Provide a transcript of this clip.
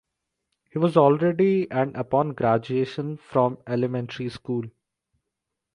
He was already and upon graduation from elementary school.